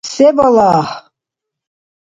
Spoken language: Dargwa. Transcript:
Се балагь?